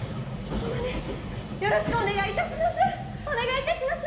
ホンマによろしくお願いいたします！